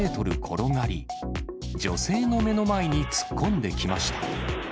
転がり、女性の目の前に突っ込んできました。